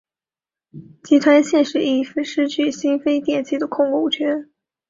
集团现时亦失去新飞电器的控股权。